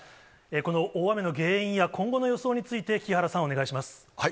この大雨の原因や、今後の予想について木原さん、お願いします。